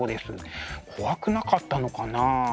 怖くなかったのかな？